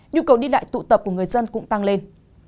nhu cầu đi lại tụ tập của người dân cũng tăng lên